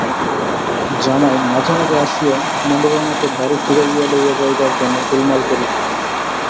জামাই মাঝে মাঝে আসিয়া মনোরমাকে বাড়ি ফিরাইয়া লইয়া যাইবার জন্য গোলমাল করিত।